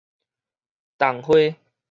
桐花